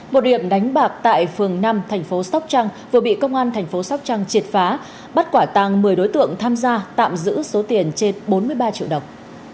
một điểm đánh bạc tại phường năm tp sóc trăng vừa bị công an tp sóc trăng triệt phá bắt quả tàng một mươi đối tượng tham gia tạm giữ số tiền trên bốn mươi ba triệu đồng